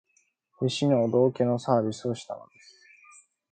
必死のお道化のサービスをしたのです